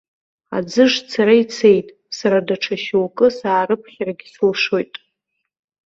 Аӡы шцара ицеит, сара даҽа шьоукы саарыԥхьаргьы сылшоит.